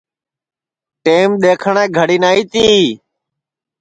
ٹیم دؔیکھٹؔے گھڑی نائی تی